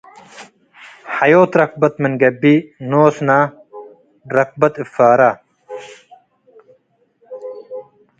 ሐዮት ረክበት ምንገብእ ኖስነ ረክበት እብ ፋረ፣